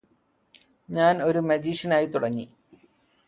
ഞാന് ഒരു മജീഷ്യനായി തുടങ്ങി